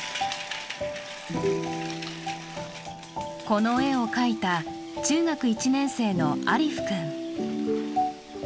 この絵を描いた中学１年生のアリフ君。